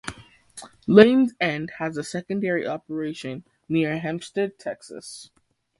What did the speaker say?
Lane's End has a secondary operation near Hempstead, Texas.